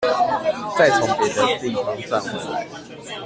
再從別地方賺回來